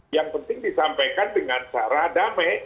yang penting disampaikan dengan cara damai